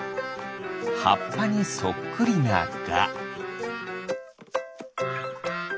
はっぱにそっくりなガ。